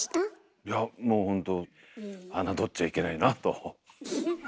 いやもうほんと侮っちゃいけないなと。